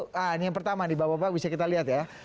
nah ini yang pertama nih bapak bapak bisa kita lihat ya